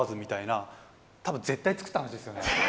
多分絶対作った話ですよね。